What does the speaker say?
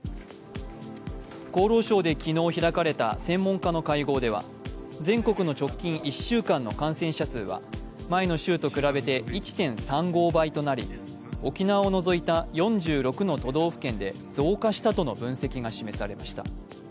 厚労省で昨日開かれた専門家の会合では全国の直近１週間の感染者数は前の週と比べて１．３５倍となり、沖縄を除いた４６の都道府県で増加したとの分析が示されました。